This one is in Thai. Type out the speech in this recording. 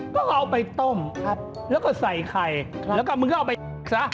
ก็เอาไปต้มครับแล้วก็ใส่ไข่แล้วก็มึงก็เอาไปซะ